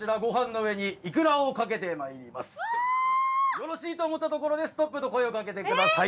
よろしいと思ったところでストップと声をかけてください。